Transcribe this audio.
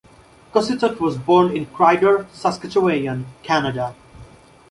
Kostiuk was born in Krydor, Saskatchewan, Canada.